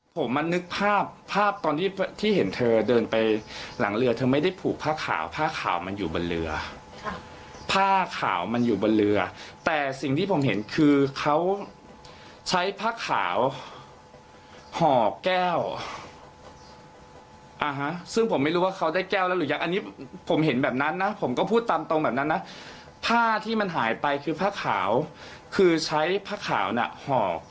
ผมมานึกภาพภาพตอนที่ที่เห็นเธอเดินไปหลังเรือเธอไม่ได้ผูกผ้าขาวผ้าขาวมันอยู่บนเรือผ้าขาวมันอยู่บนเรือแต่สิ่งที่ผมเห็นคือเขาใช้ผ้าขาวห่อแก้วซึ่งผมไม่รู้ว่าเขาได้แก้วแล้วหรือยังอันนี้ผมเห็นแบบนั้นนะผมก็พูดตามตรงแบบนั้นนะผ้าที่มันหายไปคือผ้าขาวคือใช้ผ้าขาวน่ะห่อ